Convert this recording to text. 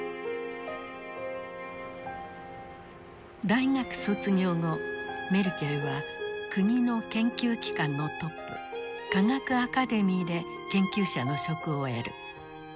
大学卒業後メルケルは国の研究機関のトップ科学アカデミーで研究者の職を得る。